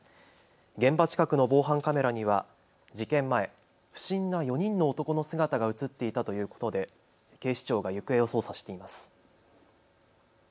現場近くの防犯カメラには事件前、不審な４人の男の姿が写っていたということで警視庁が行方を捜査しています。